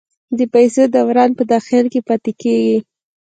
د پیسو دوران په داخل کې پاتې کیږي؟